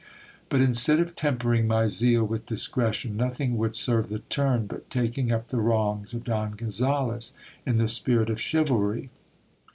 But instead of tempering my zeal with discretion, nothing would serve the turn but taking up the wrongs of Don. Gonzales in the spirit of chivalry.